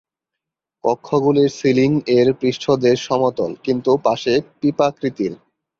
কক্ষগুলির সিলিং-এর পৃষ্ঠদেশ সমতল, কিন্তু পাশে পিপাকৃতির।